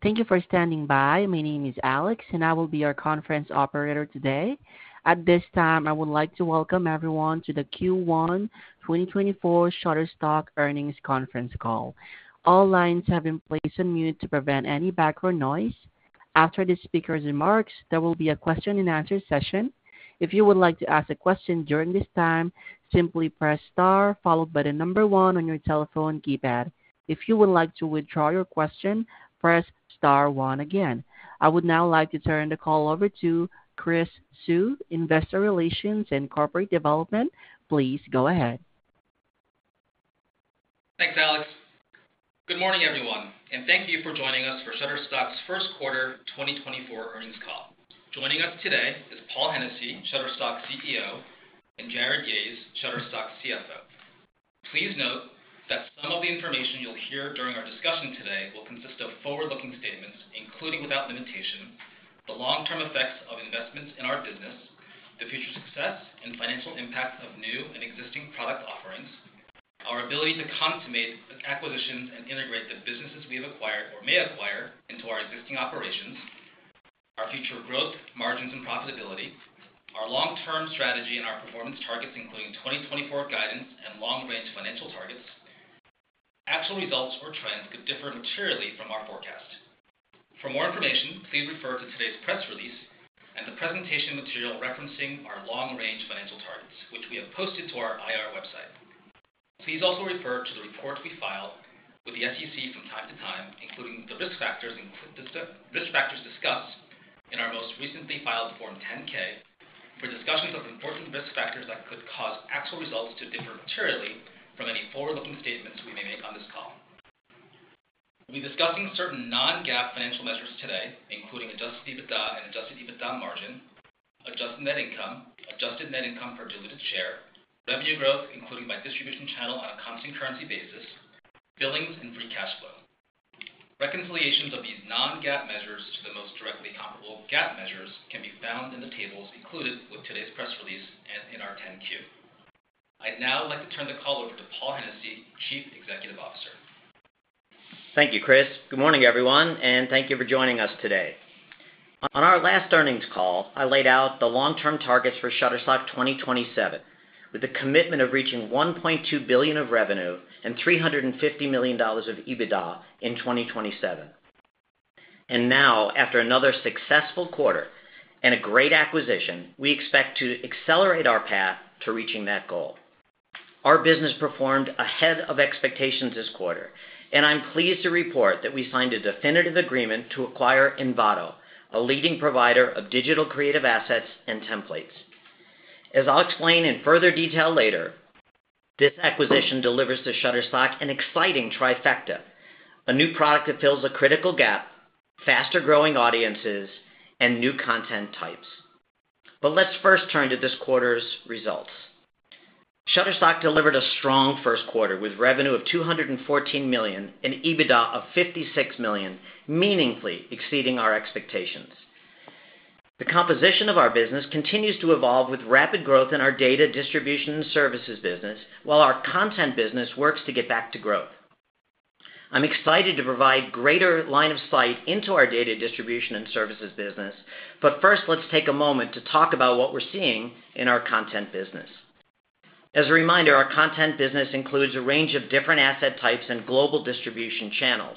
Thank you for standing by. My name is Alex, and I will be your conference operator today. At this time, I would like to welcome everyone to the Q1 2024 Shutterstock Earnings Conference Call. All lines have been placed on mute to prevent any background noise. After the speaker's remarks, there will be a question and answer session. If you would like to ask a question during this time, simply press star followed by the number one on your telephone keypad. If you would like to withdraw your question, press star one again. I would now like to turn the call over to Chris Suh, Investor Relations and Corporate Development. Please go ahead. Thanks, Alex. Good morning, everyone, and thank you for joining us for Shutterstock's first quarter 2024 earnings call. Joining us today is Paul Hennessy, Shutterstock's CEO, and Jarrod Yahes, Shutterstock's CFO. Please note that some of the information you'll hear during our discussion today will consist of forward-looking statements, including without limitation, the long-term effects of investments in our business, the future success and financial impact of new and existing product offerings, our ability to consummate acquisitions and integrate the businesses we have acquired or may acquire into our existing operations, our future growth, margins, and profitability, our long-term strategy, and our performance targets, including 2024 guidance and long-range financial targets. Actual results or trends could differ materially from our forecast. For more information, please refer to today's press release and the presentation material referencing our long-range financial targets, which we have posted to our IR website. Please also refer to the reports we file with the SEC from time to time, including the risk factors discussed in our most recently filed Form 10-K, for discussions of important risk factors that could cause actual results to differ materially from any forward-looking statements we may make on this call. We'll be discussing certain non-GAAP financial measures today, including Adjusted EBITDA and Adjusted EBITDA margin, adjusted net income, adjusted net income per diluted share, revenue growth, including by distribution channel on a constant currency basis, billings and free cash flow. Reconciliations of these non-GAAP measures to the most directly comparable GAAP measures can be found in the tables included with today's press release and in our 10-Q. I'd now like to turn the call over to Paul Hennessy, Chief Executive Officer. Thank you, Chris. Good morning, everyone, and thank you for joining us today. On our last earnings call, I laid out the long-term targets for Shutterstock 2027, with the commitment of reaching $1.2 billion of revenue and $350 million of EBITDA in 2027. And now, after another successful quarter and a great acquisition, we expect to accelerate our path to reaching that goal. Our business performed ahead of expectations this quarter, and I'm pleased to report that we signed a definitive agreement to acquire Envato, a leading provider of digital creative assets and templates. As I'll explain in further detail later, this acquisition delivers to Shutterstock an exciting trifecta, a new product that fills a critical gap, faster-growing audiences, and new content types. But let's first turn to this quarter's results. Shutterstock delivered a strong first quarter with revenue of $214 million and EBITDA of $56 million, meaningfully exceeding our expectations. The composition of our business continues to evolve, with rapid growth in our data distribution and services business, while our content business works to get back to growth. I'm excited to provide greater line of sight into our data distribution and services business, but first, let's take a moment to talk about what we're seeing in our content business. As a reminder, our content business includes a range of different asset types and global distribution channels.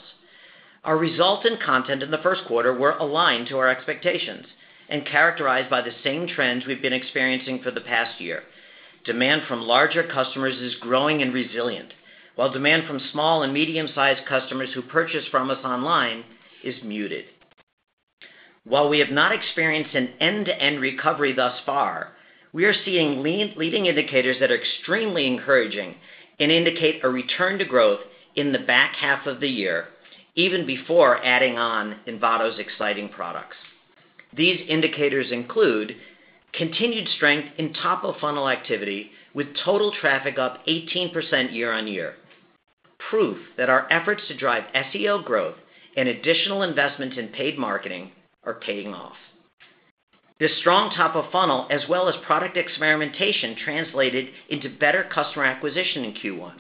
Our results in content in the first quarter were aligned to our expectations and characterized by the same trends we've been experiencing for the past year. Demand from larger customers is growing and resilient, while demand from small and medium-sized customers who purchase from us online is muted. While we have not experienced an end-to-end recovery thus far, we are seeing leading indicators that are extremely encouraging and indicate a return to growth in the back half of the year, even before adding on Envato's exciting products. These indicators include continued strength in top-of-funnel activity, with total traffic up 18% year-on-year. Proof that our efforts to drive SEO growth and additional investment in paid marketing are paying off. This strong top of funnel, as well as product experimentation, translated into better customer acquisition in Q1.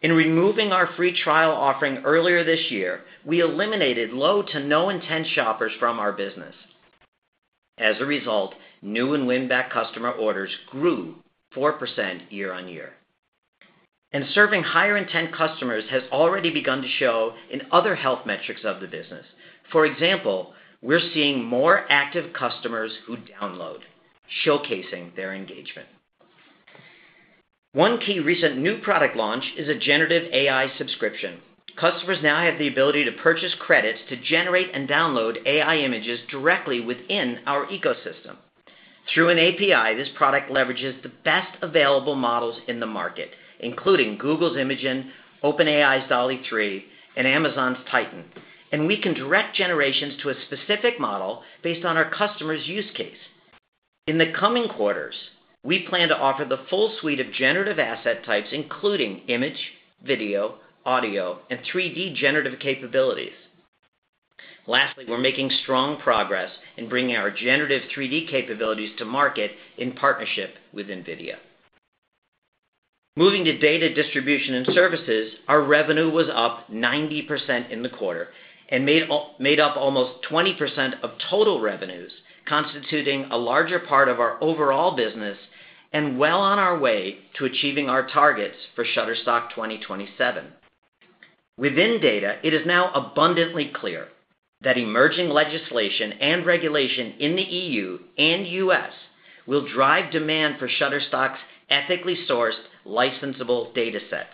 In removing our free trial offering earlier this year, we eliminated low to no-intent shoppers from our business. As a result, new and win-back customer orders grew 4% year-on-year, and serving higher intent customers has already begun to show in other health metrics of the business. For example, we're seeing more active customers who download, showcasing their engagement. One key recent new product launch is a generative AI subscription. Customers now have the ability to purchase credits to generate and download AI images directly within our ecosystem. Through an API, this product leverages the best available models in the market, including Google's Imagen, OpenAI's DALL-E 3, and Amazon's Titan, and we can direct generations to a specific model based on our customer's use case. In the coming quarters, we plan to offer the full suite of generative asset types, including image, video, audio, and 3D generative capabilities. Lastly, we're making strong progress in bringing our generative 3D capabilities to market in partnership with NVIDIA. Moving to data distribution and services, our revenue was up 90% in the quarter and made up almost 20% of total revenues, constituting a larger part of our overall business and well on our way to achieving our targets for Shutterstock 2027. Within data, it is now abundantly clear that emerging legislation and regulation in the EU and U.S. will drive demand for Shutterstock's ethically sourced licensable datasets.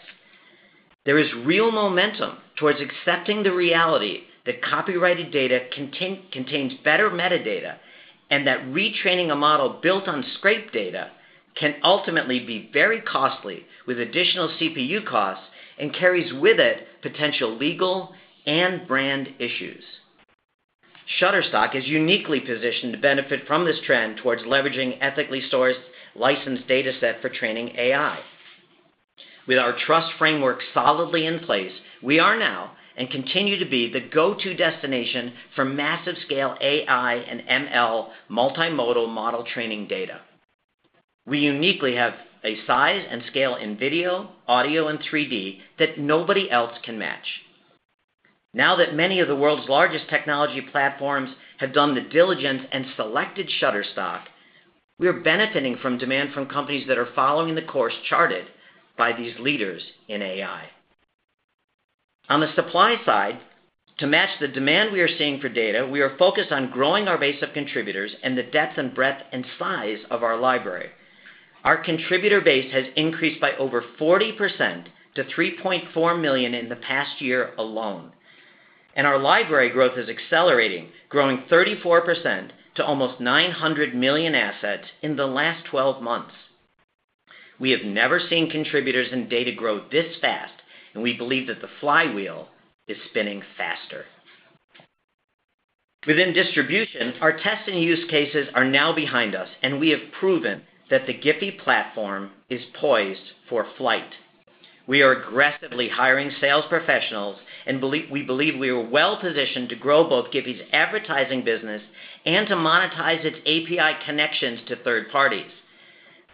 There is real momentum towards accepting the reality that copyrighted data contains better metadata, and that retraining a model built on scraped data can ultimately be very costly, with additional CPU costs, and carries with it potential legal and brand issues. Shutterstock is uniquely positioned to benefit from this trend towards leveraging ethically sourced licensed data set for training AI. With our trust framework solidly in place, we are now and continue to be the go-to destination for massive scale AI and ML multimodal model training data. We uniquely have a size and scale in video, audio, and 3D that nobody else can match. Now that many of the world's largest technology platforms have done the diligence and selected Shutterstock, we are benefiting from demand from companies that are following the course charted by these leaders in AI. On the supply side, to match the demand we are seeing for data, we are focused on growing our base of contributors and the depth and breadth and size of our library. Our contributor base has increased by over 40% to 3.4 million in the past year alone, and our library growth is accelerating, growing 34% to almost 900 million assets in the last 12 months. We have never seen contributors and data grow this fast, and we believe that the flywheel is spinning faster. Within distribution, our test and use cases are now behind us, and we have proven that the GIPHY platform is poised for flight. We are aggressively hiring sales professionals and we believe we are well positioned to grow both GIPHY's advertising business and to monetize its API connections to third parties.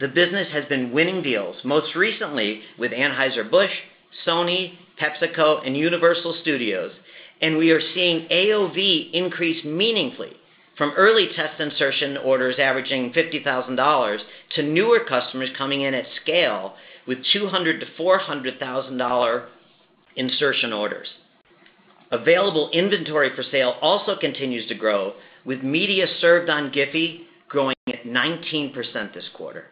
The business has been winning deals, most recently with Anheuser-Busch, Sony, PepsiCo, and Universal Studios, and we are seeing AOV increase meaningfully from early test insertion orders averaging $50,000 to newer customers coming in at scale with $200,000-$400,000 insertion orders. Available inventory for sale also continues to grow, with media served on GIPHY growing at 19% this quarter.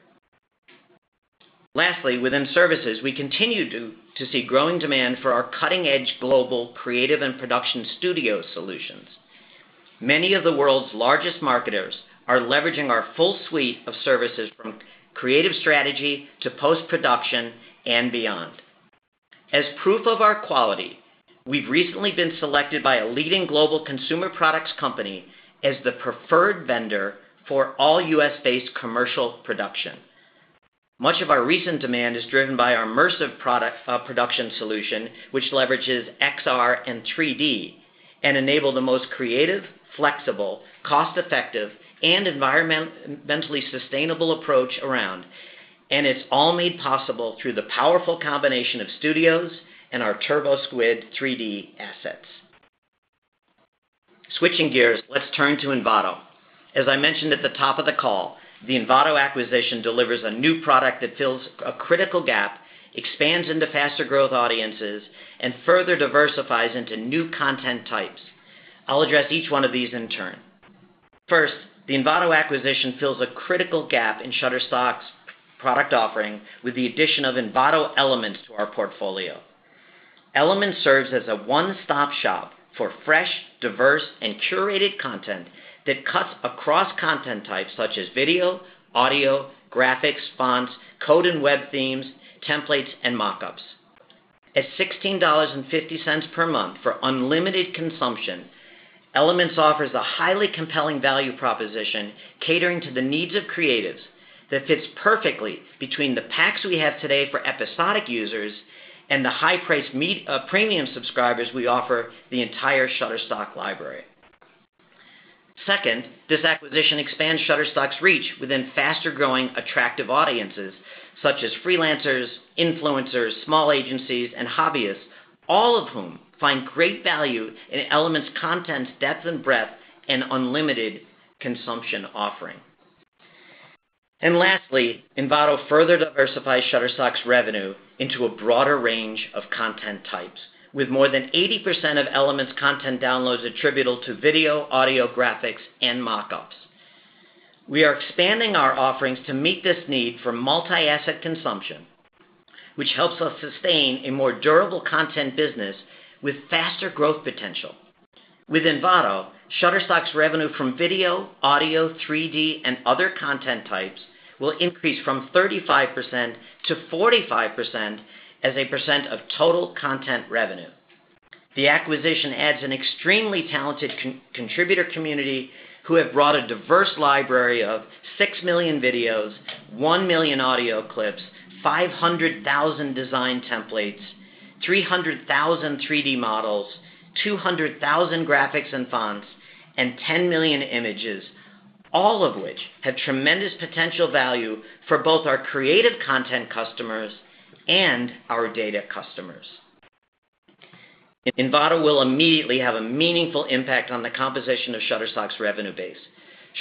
Lastly, within services, we continue to see growing demand for our cutting-edge global creative and production studio solutions. Many of the world's largest marketers are leveraging our full suite of services, from creative strategy to post-production and beyond. As proof of our quality, we've recently been selected by a leading global consumer products company as the preferred vendor for all U.S.-based commercial production. Much of our recent demand is driven by our immersive product production solution, which leverages XR and 3D and enables the most creative, flexible, cost-effective, and environmentally sustainable approach around, and it's all made possible through the powerful combination of studios and our TurboSquid 3D assets. Switching gears, let's turn to Envato. As I mentioned at the top of the call, the Envato acquisition delivers a new product that fills a critical gap, expands into faster growth audiences, and further diversifies into new content types. I'll address each one of these in turn. First, the Envato acquisition fills a critical gap in Shutterstock's product offering with the addition of Envato Elements to our portfolio. Elements serves as a one-stop shop for fresh, diverse, and curated content that cuts across content types such as video, audio, graphics, fonts, code and web themes, templates, and mock-ups. At $16.50 per month for unlimited consumption, Elements offers a highly compelling value proposition catering to the needs of creatives that fits perfectly between the packs we have today for episodic users and the high-priced premium subscribers we offer the entire Shutterstock library. Second, this acquisition expands Shutterstock's reach within faster-growing, attractive audiences such as freelancers, influencers, small agencies, and hobbyists, all of whom find great value in Elements' content, depth and breadth, and unlimited consumption offering. And lastly, Envato further diversifies Shutterstock's revenue into a broader range of content types, with more than 80% of Elements' content downloads attributable to video, audio, graphics, and mock-ups. We are expanding our offerings to meet this need for multi-asset consumption, which helps us sustain a more durable content business with faster growth potential. With Envato, Shutterstock's revenue from video, audio, 3D, and other content types will increase from 35% to 45% as a percent of total content revenue. The acquisition adds an extremely talented contributor community, who have brought a diverse library of 6 million videos, 1 million audio clips, 500,000 design templates, 300,000 3D models, 200,000 graphics and fonts, and 10 million images... all of which have tremendous potential value for both our creative content customers and our data customers. Envato will immediately have a meaningful impact on the composition of Shutterstock's revenue base.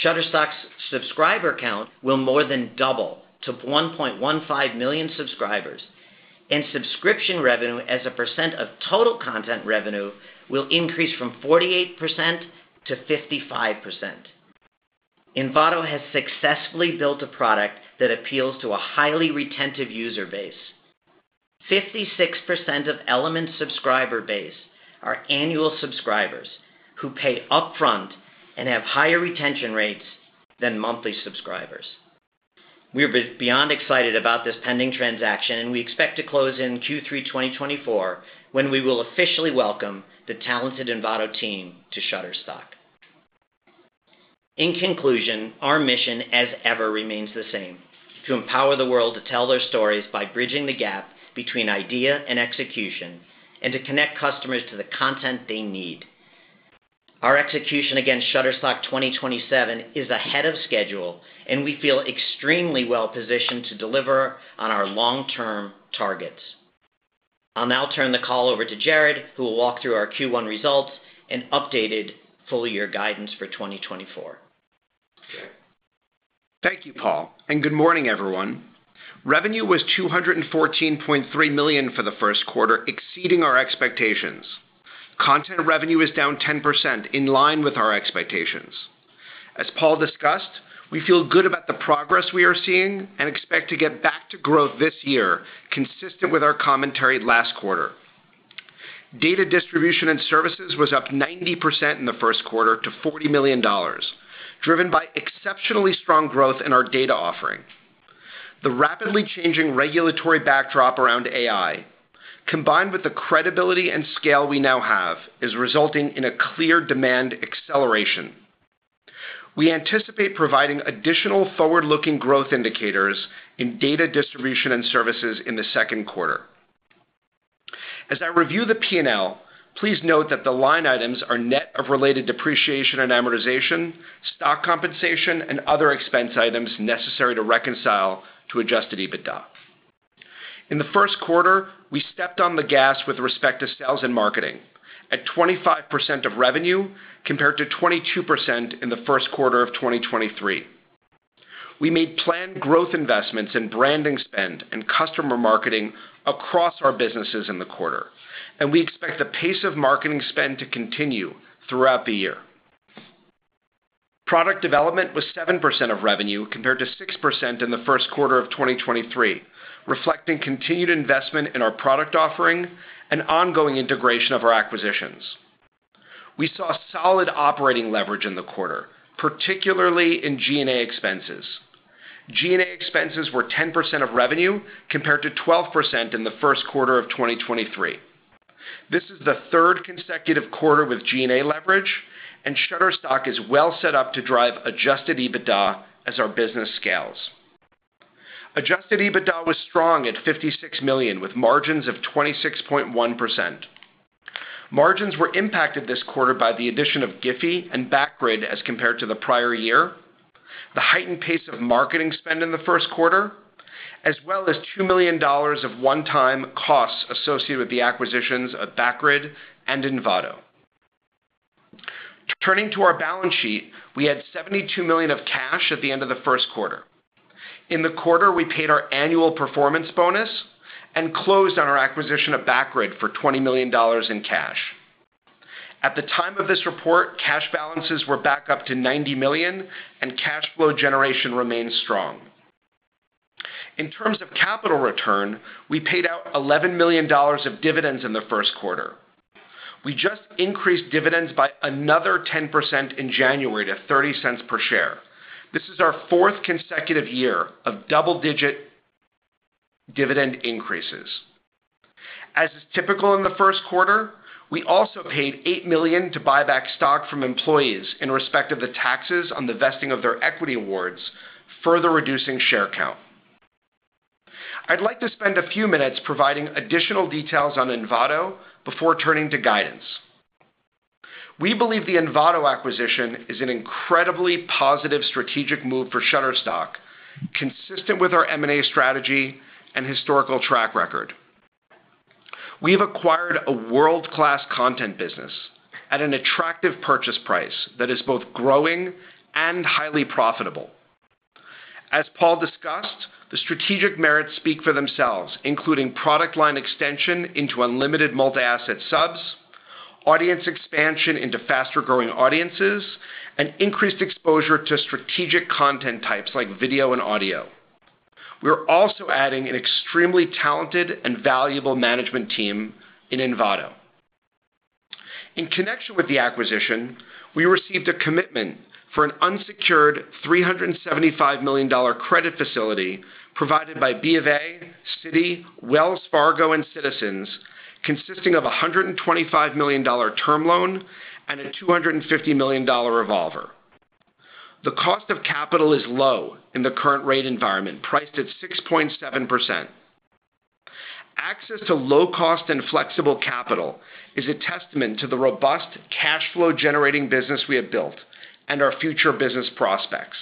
Shutterstock's subscriber count will more than double to 1.15 million subscribers, and subscription revenue as a percent of total content revenue will increase from 48% to 55%. Envato has successfully built a product that appeals to a highly retentive user base. 56% of Element subscriber base are annual subscribers who pay upfront and have higher retention rates than monthly subscribers. We are beyond excited about this pending transaction, and we expect to close in Q3 2024, when we will officially welcome the talented Envato team to Shutterstock. In conclusion, our mission, as ever, remains the same: to empower the world to tell their stories by bridging the gap between idea and execution, and to connect customers to the content they need. Our execution against Shutterstock 2027 is ahead of schedule, and we feel extremely well positioned to deliver on our long-term targets. I'll now turn the call over to Jarrod, who will walk through our Q1 results and updated full year guidance for 2024. Thank you, Paul, and good morning, everyone. Revenue was $214.3 million for the first quarter, exceeding our expectations. Content revenue is down 10%, in line with our expectations. As Paul discussed, we feel good about the progress we are seeing and expect to get back to growth this year, consistent with our commentary last quarter. Data distribution and services was up 90% in the first quarter to $40 million, driven by exceptionally strong growth in our data offering. The rapidly changing regulatory backdrop around AI, combined with the credibility and scale we now have, is resulting in a clear demand acceleration. We anticipate providing additional forward-looking growth indicators in data distribution and services in the second quarter. As I review the P&L, please note that the line items are net of related depreciation and amortization, stock compensation, and other expense items necessary to reconcile to Adjusted EBITDA. In the first quarter, we stepped on the gas with respect to sales and marketing at 25% of revenue, compared to 22% in the first quarter of 2023. We made planned growth investments in branding spend and customer marketing across our businesses in the quarter, and we expect the pace of marketing spend to continue throughout the year. Product development was 7% of revenue, compared to 6% in the first quarter of 2023, reflecting continued investment in our product offering and ongoing integration of our acquisitions. We saw solid operating leverage in the quarter, particularly in G&A expenses. G&A expenses were 10% of revenue, compared to 12% in the first quarter of 2023. This is the third consecutive quarter with G&A leverage, and Shutterstock is well set up to drive Adjusted EBITDA as our business scales. Adjusted EBITDA was strong at $56 million, with margins of 26.1%. Margins were impacted this quarter by the addition of GIPHY and Backgrid as compared to the prior year, the heightened pace of marketing spend in the first quarter, as well as $2 million of one-time costs associated with the acquisitions of Backgrid and Envato. Turning to our balance sheet, we had $72 million of cash at the end of the first quarter. In the quarter, we paid our annual performance bonus and closed on our acquisition of Backgrid for $20 million in cash. At the time of this report, cash balances were back up to $90 million, and cash flow generation remains strong. In terms of capital return, we paid out $11 million of dividends in the first quarter. We just increased dividends by another 10% in January to $0.30 per share. This is our fourth consecutive year of double-digit dividend increases. As is typical in the first quarter, we also paid $8 million to buy back stock from employees in respect of the taxes on the vesting of their equity awards, further reducing share count. I'd like to spend a few minutes providing additional details on Envato before turning to guidance. We believe the Envato acquisition is an incredibly positive strategic move for Shutterstock, consistent with our M&A strategy and historical track record. We have acquired a world-class content business at an attractive purchase price that is both growing and highly profitable. As Paul discussed, the strategic merits speak for themselves, including product line extension into unlimited multi-asset subs, audience expansion into faster-growing audiences, and increased exposure to strategic content types like video and audio. We're also adding an extremely talented and valuable management team in Envato. In connection with the acquisition, we received a commitment for an unsecured $375 million credit facility provided by BofA, Citi, Wells Fargo, and Citizens, consisting of a $125 million term loan and a $250 million revolver. The cost of capital is low in the current rate environment, priced at 6.7%.... Access to low cost and flexible capital is a testament to the robust cash flow generating business we have built and our future business prospects.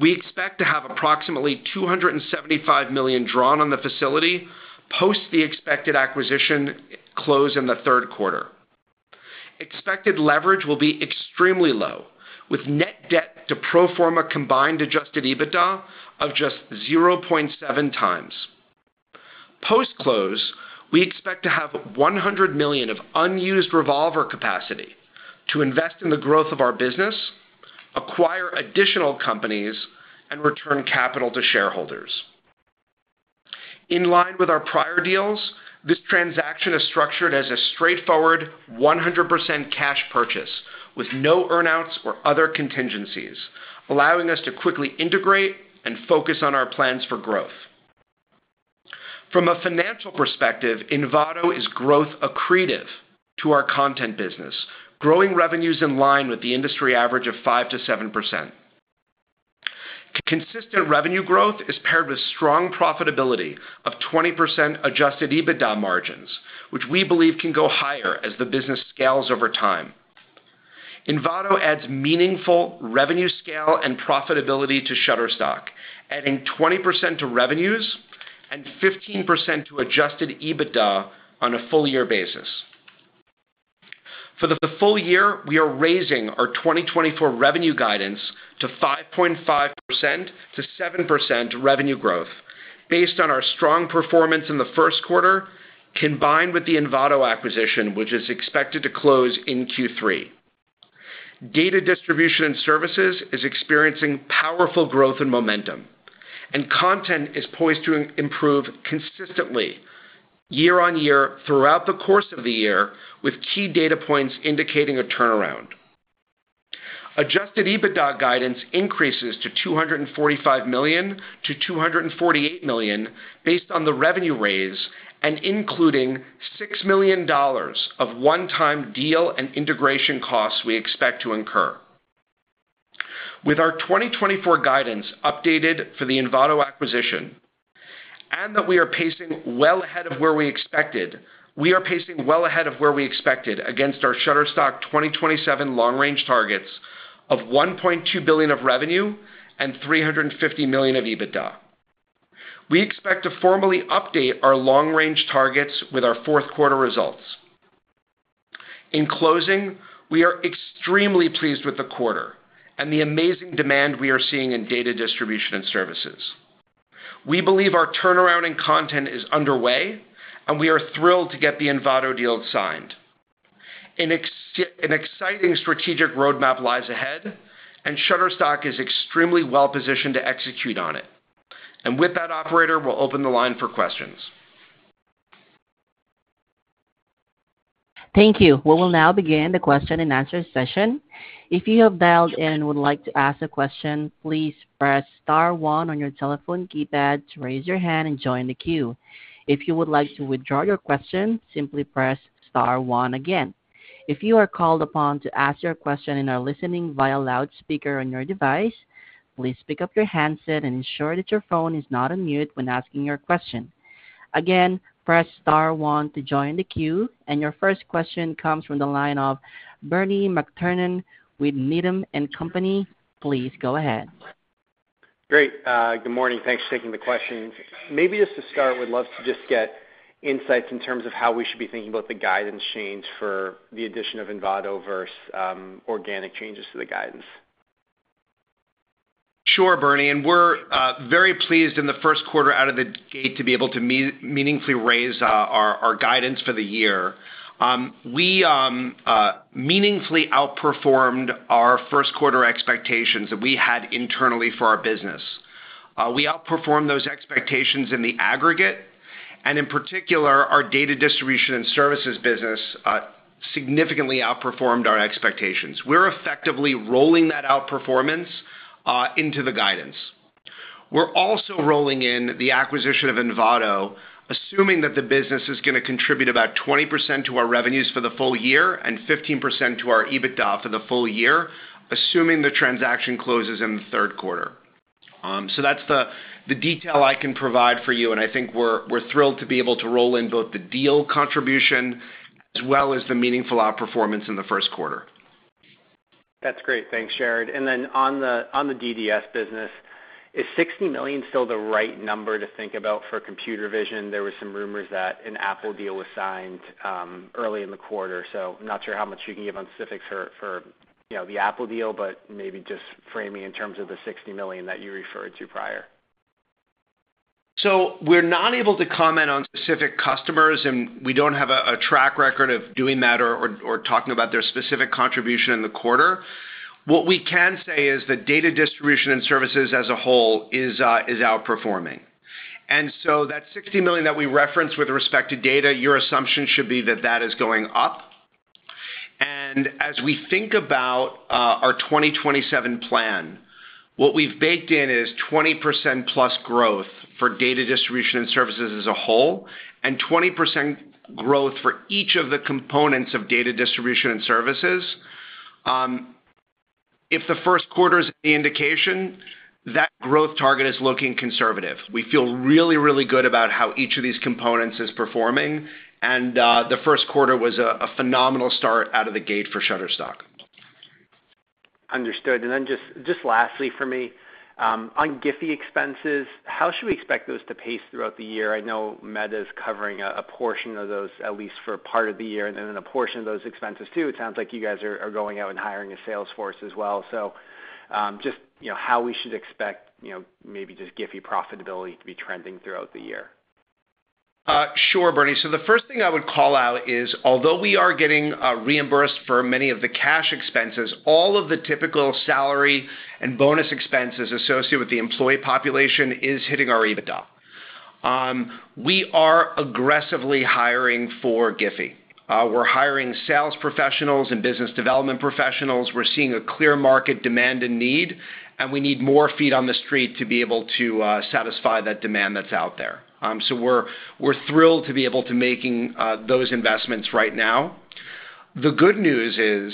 We expect to have approximately $275 million drawn on the facility, post the expected acquisition close in the third quarter. Expected leverage will be extremely low, with net debt to pro forma combined Adjusted EBITDA of just 0.7x. Post-close, we expect to have $100 million of unused revolver capacity to invest in the growth of our business, acquire additional companies, and return capital to shareholders. In line with our prior deals, this transaction is structured as a straightforward 100% cash purchase with no earn-outs or other contingencies, allowing us to quickly integrate and focus on our plans for growth. From a financial perspective, Envato is growth accretive to our content business, growing revenues in line with the industry average of 5%-7%. Consistent revenue growth is paired with strong profitability of 20% adjusted EBITDA margins, which we believe can go higher as the business scales over time. Envato adds meaningful revenue scale and profitability to Shutterstock, adding 20% to revenues and 15% to adjusted EBITDA on a full year basis. For the full year, we are raising our 2024 revenue guidance to 5.5%-7% revenue growth based on our strong performance in the first quarter, combined with the Envato acquisition, which is expected to close in Q3. Data distribution and services is experiencing powerful growth and momentum, and content is poised to improve consistently year-on-year throughout the course of the year, with key data points indicating a turnaround. Adjusted EBITDA guidance increases to $245 million-$248 million, based on the revenue raise and including $6 million of one-time deal and integration costs we expect to incur. With our 2024 guidance updated for the Envato acquisition, and that we are pacing well ahead of where we expected, we are pacing well ahead of where we expected against our Shutterstock 2027 long-range targets of $1.2 billion of revenue and $350 million of EBITDA. We expect to formally update our long-range targets with our fourth quarter results. In closing, we are extremely pleased with the quarter and the amazing demand we are seeing in data distribution and services. We believe our turnaround in content is underway, and we are thrilled to get the Envato deal signed. An exciting strategic roadmap lies ahead, and Shutterstock is extremely well positioned to execute on it. With that, operator, we'll open the line for questions. Thank you. We will now begin the question and answer session. If you have dialed in and would like to ask a question, please press star one on your telephone keypad to raise your hand and join the queue. If you would like to withdraw your question, simply press star one again. If you are called upon to ask your question and are listening via loudspeaker on your device, please pick up your handset and ensure that your phone is not on mute when asking your question. Again, press star one to join the queue, and your first question comes from the line of Bernie McTernan with Needham & Company. Please go ahead. Great. Good morning. Thanks for taking the questions. Maybe just to start, would love to just get insights in terms of how we should be thinking about the guidance change for the addition of Envato versus, organic changes to the guidance? Sure, Bernie, and we're very pleased in the first quarter out of the gate to be able to meaningfully raise our guidance for the year. We meaningfully outperformed our first quarter expectations that we had internally for our business. We outperformed those expectations in the aggregate, and in particular, our data distribution and services business significantly outperformed our expectations. We're effectively rolling that outperformance into the guidance. We're also rolling in the acquisition of Envato, assuming that the business is gonna contribute about 20% to our revenues for the full year and 15% to our EBITDA for the full year, assuming the transaction closes in the third quarter. So that's the detail I can provide for you, and I think we're thrilled to be able to roll in both the deal contribution as well as the meaningful outperformance in the first quarter. That's great. Thanks, Jarrod. Then on the DDS business, is $60 million still the right number to think about for computer vision? There were some rumors that an Apple deal was signed early in the quarter, so I'm not sure how much you can give on specifics for, you know, the Apple deal, but maybe just framing in terms of the $60 million that you referred to prior. So we're not able to comment on specific customers, and we don't have a track record of doing that or talking about their specific contribution in the quarter. What we can say is that data distribution and services as a whole is outperforming. And so that $60 million that we referenced with respect to data, your assumption should be that that is going up. And as we think about our 2027 plan, what we've baked in is 20%+ growth for data distribution and services as a whole, and 20% growth for each of the components of data distribution and services. If the first quarter is any indication, that growth target is looking conservative. We feel really, really good about how each of these components is performing, and the first quarter was a phenomenal start out of the gate for Shutterstock. Understood. And then just lastly for me, on GIPHY expenses, how should we expect those to pace throughout the year? I know Meta is covering a portion of those, at least for a part of the year, and then a portion of those expenses, too. It sounds like you guys are going out and hiring a sales force as well. So, just, you know, how we should expect, you know, maybe just GIPHY profitability to be trending throughout the year. Sure, Bernie. So the first thing I would call out is, although we are getting reimbursed for many of the cash expenses, all of the typical salary and bonus expenses associated with the employee population is hitting our EBITDA. We are aggressively hiring for GIPHY. We're hiring sales professionals and business development professionals. We're seeing a clear market demand and need, and we need more feet on the street to be able to satisfy that demand that's out there. So we're, we're thrilled to be able to making those investments right now. The good news is,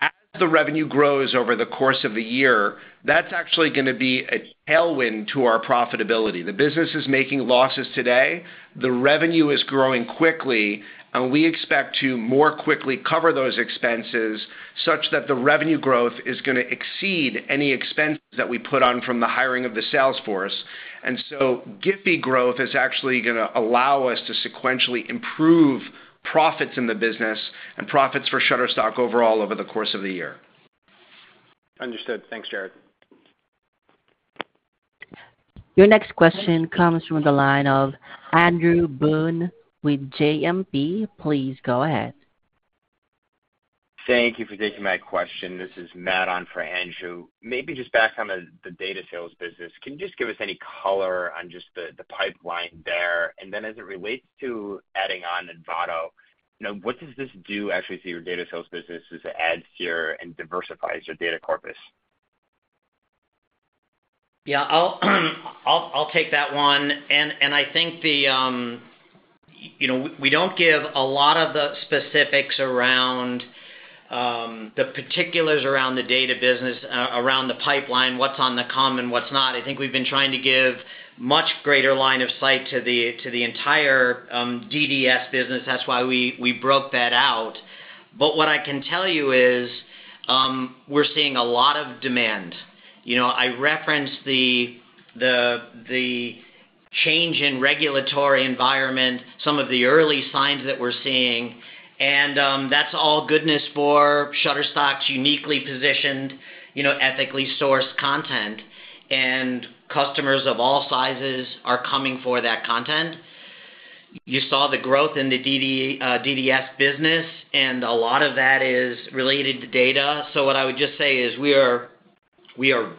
as the revenue grows over the course of the year, that's actually gonna be a tailwind to our profitability. The business is making losses today. The revenue is growing quickly, and we expect to more quickly cover those expenses such that the revenue growth is gonna exceed any expenses that we put on from the hiring of the sales force. And so GIPHY growth is actually gonna allow us to sequentially improve profits in the business and profits for Shutterstock overall over the course of the year. Understood. Thanks, Jarrod. Your next question comes from the line of Andrew Boone with JMP. Please go ahead. Thank you for taking my question. This is Matt on for Andrew. Maybe just back on the data sales business, can you just give us any color on just the pipeline there? And then as it relates to adding on Envato, now, what does this do actually to your data sales business as it adds to and diversifies your data corpus? Yeah, I'll take that one. And I think you know, we don't give a lot of the specifics around the particulars around the data business, around the pipeline, what's on the come and what's not. I think we've been trying to give much greater line of sight to the entire DDS business. That's why we broke that out. But what I can tell you is, we're seeing a lot of demand. You know, I referenced the change in regulatory environment, some of the early signs that we're seeing, and that's all goodness for Shutterstock's uniquely positioned, you know, ethically sourced content. And customers of all sizes are coming for that content. You saw the growth in the DDS business, and a lot of that is related to data. So what I would just say is we are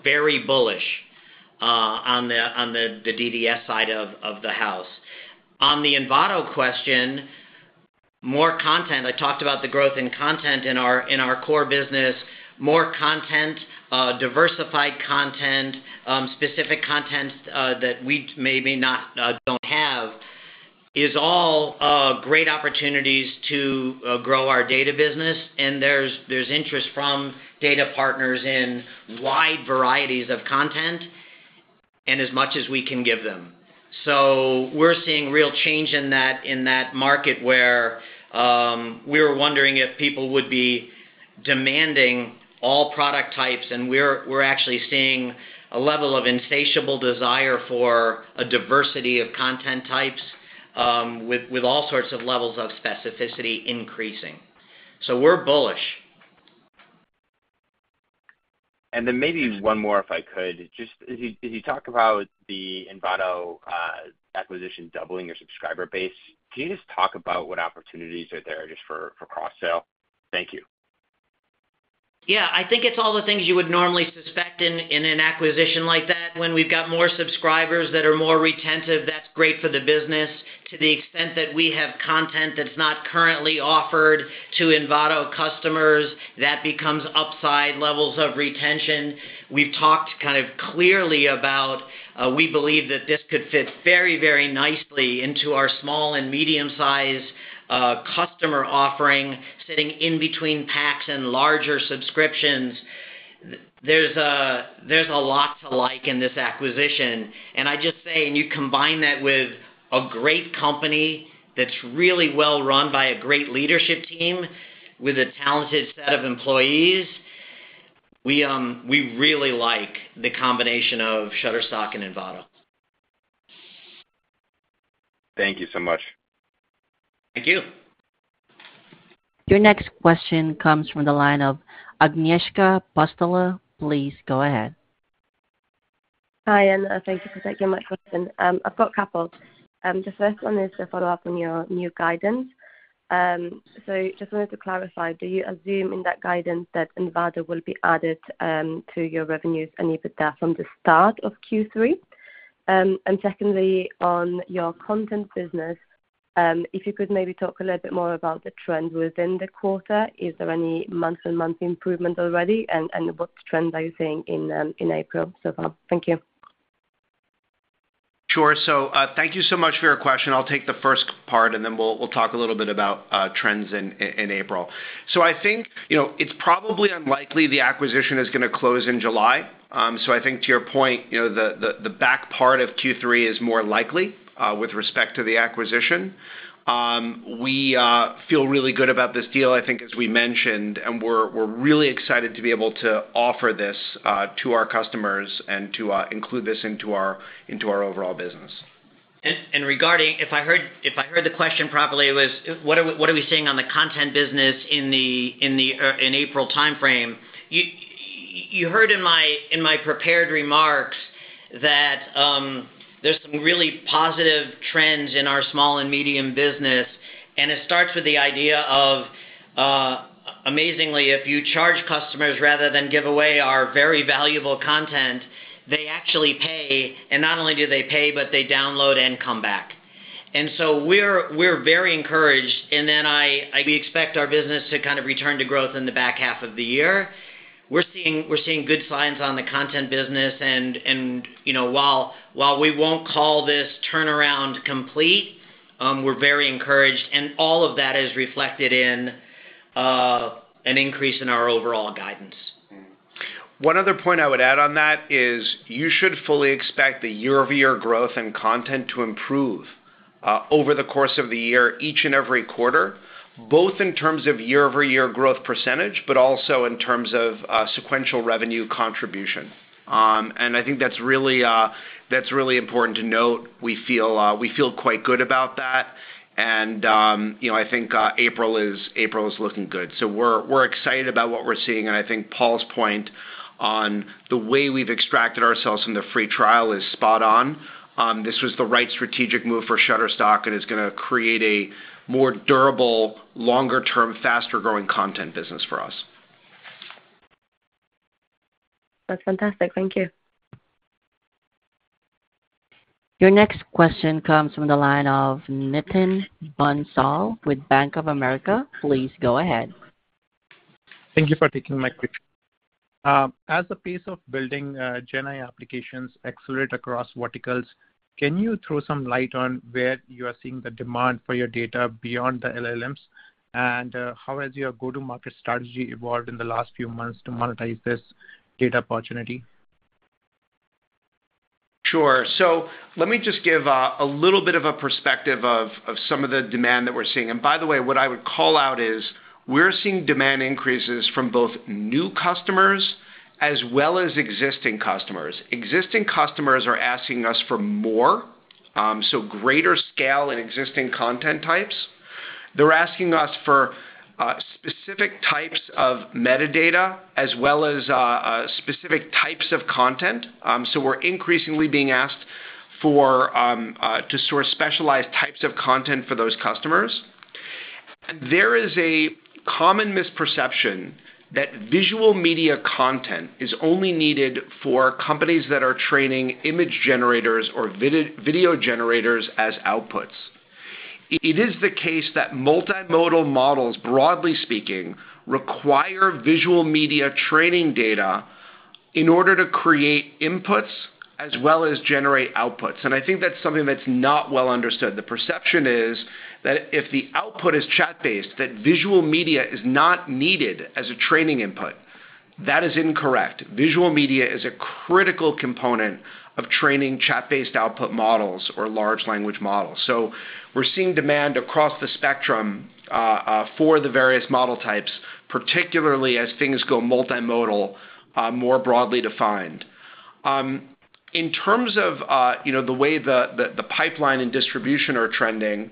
very bullish on the DDS side of the house. On the Envato question, more content. I talked about the growth in content in our core business. More content, diversified content, specific content that we maybe not don't have is all great opportunities to grow our data business, and there's interest from data partners in wide varieties of content and as much as we can give them. So we're seeing real change in that market, where we were wondering if people would be demanding all product types, and we're actually seeing a level of insatiable desire for a diversity of content types with all sorts of levels of specificity increasing. So we're bullish. And then maybe one more, if I could. Just as you, as you talk about the Envato acquisition doubling your subscriber base, can you just talk about what opportunities are there just for, for cross-sale? Thank you. Yeah. I think it's all the things you would normally suspect in, in an acquisition like that. When we've got more subscribers that are more retentive, that's great for the business. To the extent that we have content that's not currently offered to Envato customers, that becomes upside levels of retention. We've talked kind of clearly about, we believe that this could fit very, very nicely into our small and medium-sized, customer offering, sitting in between packs and larger subscriptions. There's a, there's a lot to like in this acquisition. And I'd just say, and you combine that with a great company that's really well run by a great leadership team with a talented set of employees, we, we really like the combination of Shutterstock and Envato. Thank you so much. Thank you. Your next question comes from the line of Agnieszka Pustula. Please go ahead. Hi, and thank you for taking my question. I've got a couple. The first one is to follow up on your new guidance. So just wanted to clarify, do you assume in that guidance that Envato will be added to your revenues and EBITDA from the start of Q3? And secondly, on your content business, if you could maybe talk a little bit more about the trend within the quarter. Is there any month-on-month improvement already? And what trends are you seeing in April so far? Thank you.... Sure. So, thank you so much for your question. I'll take the first part, and then we'll talk a little bit about trends in April. So I think, you know, it's probably unlikely the acquisition is gonna close in July. So I think to your point, you know, the back part of Q3 is more likely with respect to the acquisition. We feel really good about this deal, I think, as we mentioned, and we're really excited to be able to offer this to our customers and to include this into our overall business. Regarding, if I heard the question properly, it was, what are we seeing on the content business in the April timeframe? You heard in my prepared remarks that there's some really positive trends in our small and medium business, and it starts with the idea of, amazingly, if you charge customers rather than give away our very valuable content, they actually pay, and not only do they pay, but they download and come back. And so we're very encouraged, and then we expect our business to kind of return to growth in the back half of the year. We're seeing good signs on the content business, and you know, while we won't call this turnaround complete, we're very encouraged, and all of that is reflected in an increase in our overall guidance. One other point I would add on that is you should fully expect the year-over-year growth in content to improve over the course of the year, each and every quarter, both in terms of year-over-year growth percentage, but also in terms of sequential revenue contribution. And I think that's really, that's really important to note. We feel, we feel quite good about that, and, you know, I think, April is, April is looking good. So we're, we're excited about what we're seeing, and I think Paul's point on the way we've extracted ourselves from the free trial is spot on. This was the right strategic move for Shutterstock, and it's gonna create a more durable, longer term, faster growing content business for us. That's fantastic. Thank you. Your next question comes from the line of Nitin Bansal with Bank of America. Please go ahead. Thank you for taking my question. As the pace of building GenAI applications accelerate across verticals, can you throw some light on where you are seeing the demand for your data beyond the LLMs? How has your go-to-market strategy evolved in the last few months to monetize this data opportunity? Sure. So let me just give a little bit of a perspective of some of the demand that we're seeing. And by the way, what I would call out is, we're seeing demand increases from both new customers as well as existing customers. Existing customers are asking us for more, so greater scale in existing content types. They're asking us for specific types of metadata as well as specific types of content. So we're increasingly being asked for to source specialized types of content for those customers. There is a common misperception that visual media content is only needed for companies that are training image generators or video generators as outputs. It is the case that multimodal models, broadly speaking, require visual media training data in order to create inputs as well as generate outputs, and I think that's something that's not well understood. The perception is that if the output is chat-based, that visual media is not needed as a training input. That is incorrect. Visual media is a critical component of training chat-based output models or large language models. So we're seeing demand across the spectrum for the various model types, particularly as things go multimodal, more broadly defined. In terms of, you know, the way the pipeline and distribution are trending,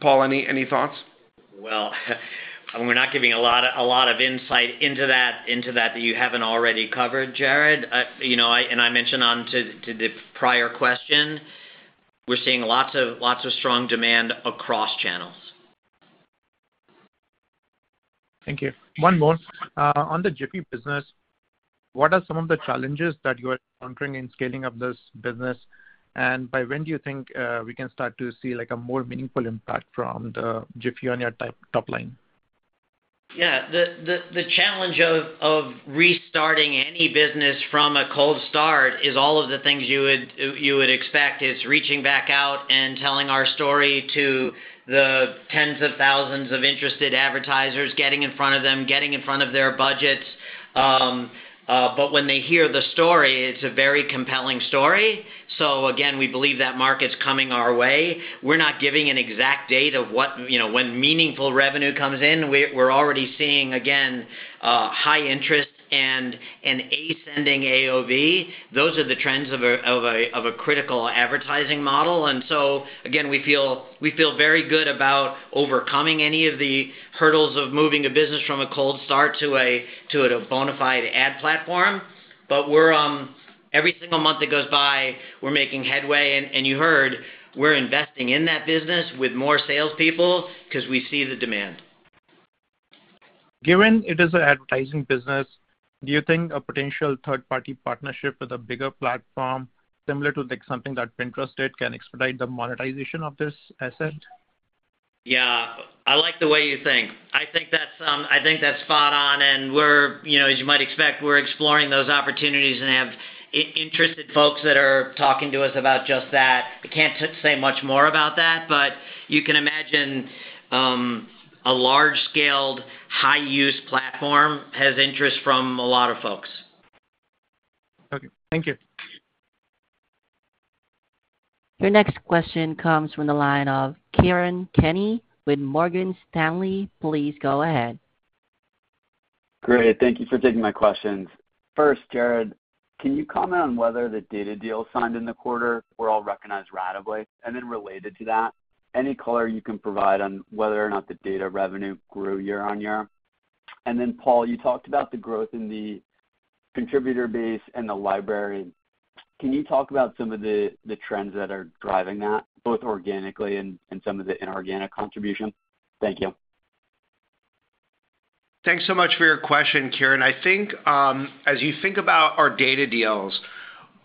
Paul, any thoughts? Well, we're not giving a lot, a lot of insight into that that you haven't already covered, Jarrod. You know, and I mentioned on to the prior question, we're seeing lots of, lots of strong demand across channels. Thank you. One more. On the GIPHY business, what are some of the challenges that you are encountering in scaling up this business? And by when do you think we can start to see, like, a more meaningful impact from the GIPHY on your top, top line? Yeah. The challenge of restarting any business from a cold start is all of the things you would expect. It's reaching back out and telling our story to the tens of thousands of interested advertisers, getting in front of them, getting in front of their budgets. But when they hear the story, it's a very compelling story. So again, we believe that market's coming our way. We're not giving an exact date of what, you know, when meaningful revenue comes in. We're already seeing, again, high interest and an ascending AOV. Those are the trends of a critical advertising model. And so again, we feel very good about overcoming any of the hurdles of moving a business from a cold start to a bona fide ad platform. But every single month that goes by, we're making headway, and you heard, we're investing in that business with more salespeople 'cause we see the demand. Given it is an advertising business, do you think a potential third-party partnership with a bigger platform, similar to, like, something that Pinterest did, can expedite the monetization of this asset?... Yeah, I like the way you think. I think that's, I think that's spot on, and we're, you know, as you might expect, we're exploring those opportunities and have interested folks that are talking to us about just that. I can't say much more about that, but you can imagine, a large-scaled, high-use platform has interest from a lot of folks. Okay. Thank you. Your next question comes from the line of Kieran Kenny with Morgan Stanley. Please go ahead. Great. Thank you for taking my questions. First, Jarrod, can you comment on whether the data deals signed in the quarter were all recognized ratably? And then related to that, any color you can provide on whether or not the data revenue grew year-on-year? And then, Paul, you talked about the growth in the contributor base and the library. Can you talk about some of the trends that are driving that, both organically and some of the inorganic contribution? Thank you. Thanks so much for your question, Kieran. I think, as you think about our data deals,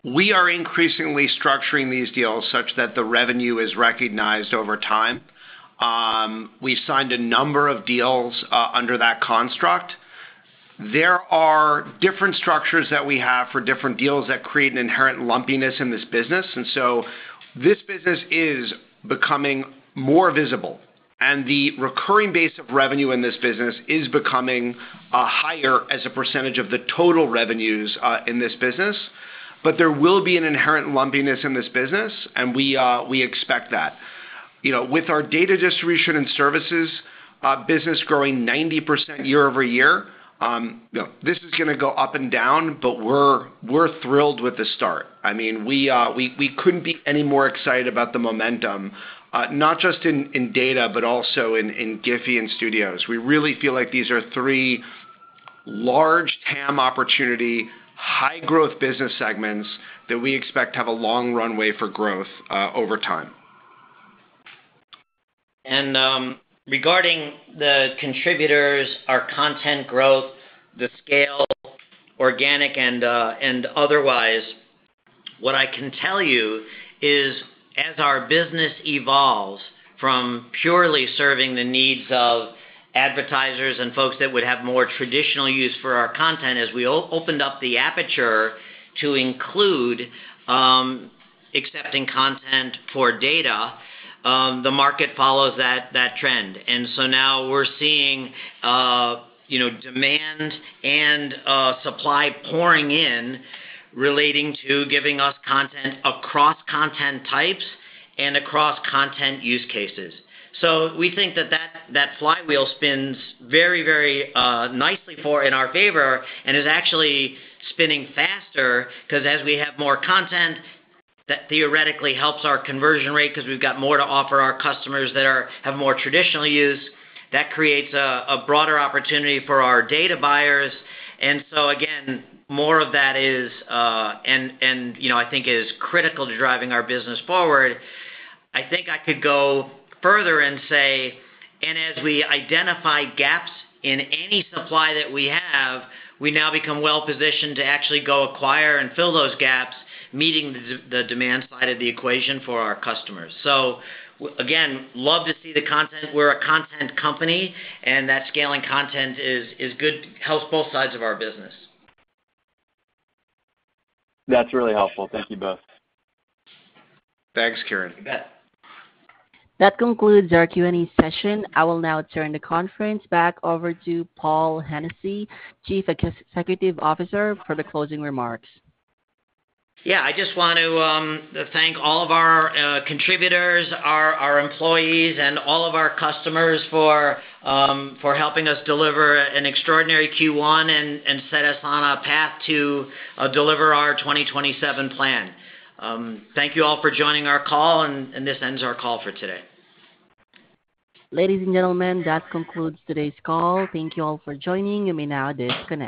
we are increasingly structuring these deals such that the revenue is recognized over time. We've signed a number of deals, under that construct. There are different structures that we have for different deals that create an inherent lumpiness in this business. And so this business is becoming more visible, and the recurring base of revenue in this business is becoming, higher as a percentage of the total revenues, in this business. But there will be an inherent lumpiness in this business, and we, we expect that. You know, with our data distribution and services, business growing 90% year-over-year, you know, this is gonna go up and down, but we're, we're thrilled with the start. I mean, we, we couldn't be any more excited about the momentum, not just in, in data, but also in, in GIPHY and Studios. We really feel like these are three large TAM opportunity, high-growth business segments that we expect to have a long runway for growth, over time. Regarding the contributors, our content growth, the scale, organic and otherwise, what I can tell you is, as our business evolves from purely serving the needs of advertisers and folks that would have more traditional use for our content, as we opened up the aperture to include accepting content for data, the market follows that trend. And so now we're seeing, you know, demand and supply pouring in relating to giving us content across content types and across content use cases. So we think that flywheel spins very, very nicely in our favor and is actually spinning faster, 'cause as we have more content, that theoretically helps our conversion rate 'cause we've got more to offer our customers that have more traditional use. That creates a broader opportunity for our data buyers. And so again, more of that is, and, you know, I think is critical to driving our business forward. I think I could go further and say, and as we identify gaps in any supply that we have, we now become well-positioned to actually go acquire and fill those gaps, meeting the the demand side of the equation for our customers. So again, love to see the content. We're a content company, and that scaling content is good, helps both sides of our business. That's really helpful. Thank you both. Thanks, Kieran. You bet. That concludes our Q&A session. I will now turn the conference back over to Paul Hennessy, Chief Executive Officer, for the closing remarks. Yeah, I just want to thank all of our contributors, our, our employees, and all of our customers for for helping us deliver an extraordinary Q1 and, and set us on a path to deliver our 2027 plan. Thank you all for joining our call, and, and this ends our call for today. Ladies and gentlemen, that concludes today's call. Thank you all for joining. You may now disconnect.